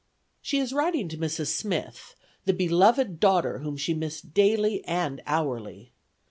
She is writing to Mrs. Smith, the beloved daughter whom she missed daily and hourly.